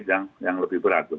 atau dalam sakit yang lebih berat